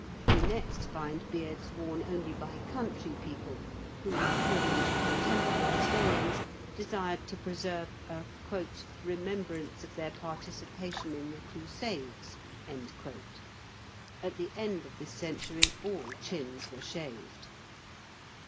We next find beards worn only by country people, who, according to contemporary historians, desired to preserve a "remembrance of their participation in the Crusades." At the end of this century, all chins were shaved.